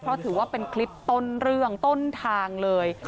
เพราะถือว่าเป็นคลิปต้นเรื่องต้นทางเลย